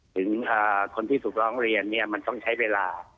ถึงคนที่ถูกร้องเรียนเนี่ยมันต้องใช้เวลา